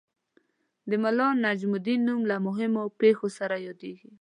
د ملا نجم الدین نوم له مهمو پېښو سره یادیږي.